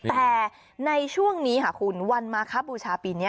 แต่ในช่วงนี้ค่ะคุณวันมาคบูชาปีนี้